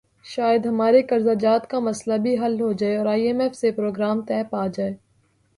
شاید ہمارے قرضہ جات کا مسئلہ بھی حل ہو جائے اور آئی ایم ایف سے پروگرام طے پا جائے۔